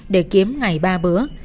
để kiếm ngày ba bữa